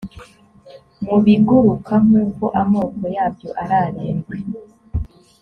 mu biguruka nk’uko amoko yabyo ari arindwi